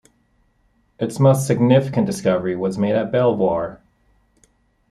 Its most significant discovery was made at Belvoir.